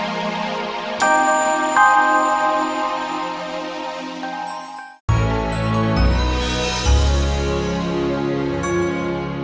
teteh harus menikah sama mereka